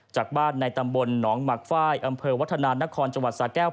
จากบ้านในตำบลหนองหมักฝ้ายอำเภอวัฒนานครจังหวัดสาแก้ว